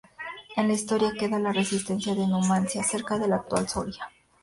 En la historia queda la resistencia de Numancia, cerca de la actual Soria.